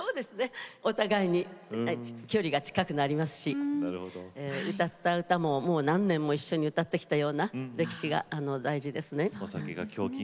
お互いに距離が近くなりますし歌った歌ももう何年も歌ったような歴史が大事ですね。